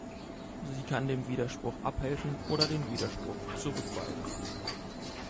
Sie kann dem Widerspruch abhelfen oder den Widerspruch zurückweisen.